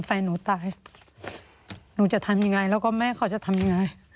แฟนหนูตายหนูจะทำยังไงแล้วก็แม่เขาจะทำยังไง